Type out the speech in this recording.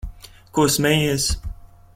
Ko smejies?